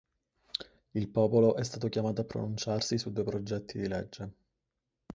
Il popolo è stato chiamato a pronunciarsi su due progetti di legge.